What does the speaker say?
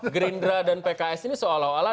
gerindra dan pks ini seolah olah